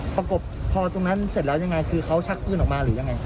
ประกบพอตรงนั้นเสร็จแล้วยังไงคือเขาชักปืนออกมาหรือยังไง